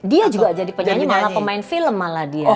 dia juga jadi penyanyi malah pemain film malah dia